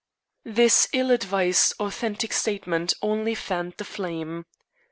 This ill advised authentic statement only fanned the flame.